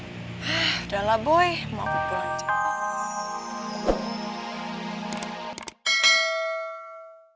udah lah boy mau gue pulang cepet